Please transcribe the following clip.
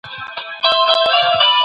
هغه د ملی وحدت او سولې لپاره مبارزه وکړه.